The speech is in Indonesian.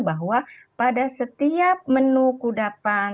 bahwa pada setiap menu kudapan